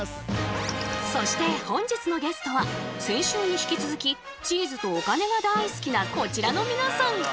そして本日のゲストは先週に引き続きチーズとお金が大好きなこちらの皆さん！